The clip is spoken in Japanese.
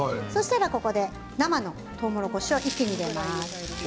ここで生のとうもろこしを一気に入れます。